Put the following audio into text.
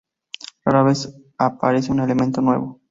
Rara vez aparece un elemento nuevo.